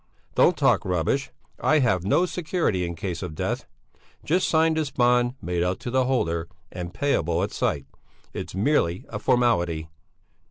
"Don't talk rubbish! I have no security in case of death. Just sign this bond made out to the holder and payable at sight. It's merely a formality."